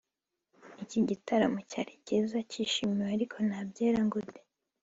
Iki gitaramo cyari cyiza kishimiwe ariko nta byera ngo de